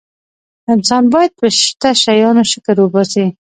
انسان باید په شته شیانو شکر وباسي.